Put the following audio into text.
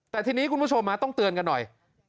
แต่ทีนี้คุณผู้ชมต้องเตือนกันหน่อย